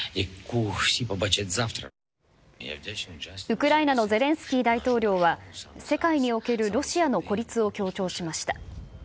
ウクライナのゼレンスキー大統領は、世界におけるロシアの孤立を強調しました。